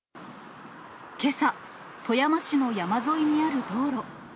けさ、富山市の山沿いにある道路。